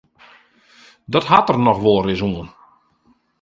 Dat hat der noch wolris oan.